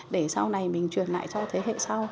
để sau này mình truyền lại cho thế hệ sau